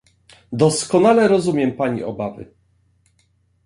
Doskonale rozumiem pani obawy